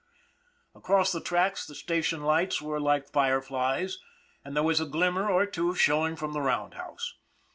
Across the tracks the station lights were like fire flies, and there was a glimmer or two showing from the roundhouse.